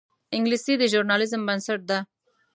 انګلیسي د ژورنالیزم بنسټ ده